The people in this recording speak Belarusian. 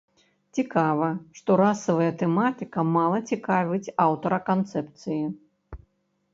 Цікава, што расавая тэматыка мала цікавіць аўтара канцэпцыі.